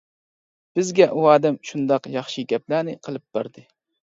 بىزگە ئۇ ئادەم شۇنداق ياخشى گەپلەرنى قىلىپ بەردى.